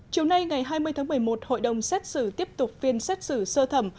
chiều nay ngày hai mươi tháng một mươi một hội đồng xét xử tiếp tục phiên xét xử sơ thẩm